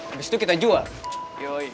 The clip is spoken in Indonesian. abis itu kita jual